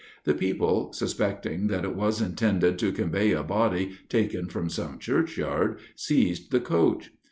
The people suspecting that it was intended to convey a body taken from some churchyard, seized the coach.